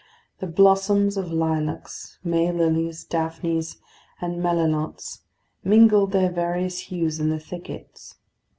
The blossoms of lilacs, May lilies, daphnes, and melilots mingled their various hues in the thickets.